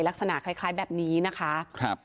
ลักษณะคล้ายแบบนี้นะคะ